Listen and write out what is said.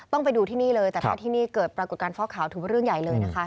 ไปดูที่นี่เลยแต่ถ้าที่นี่เกิดปรากฏการณฟอกขาวถือว่าเรื่องใหญ่เลยนะคะ